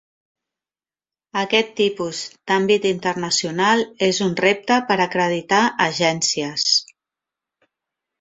Aquest tipus d'àmbit internacional és un repte per acreditar agències.